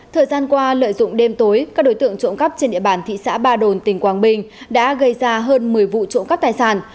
thời gian qua lợi dụng đêm tối các đối tượng trộm cắp trên địa bàn thị xã ba đồn tỉnh quảng bình đã gây ra hơn một mươi vụ trộm cắp tài sản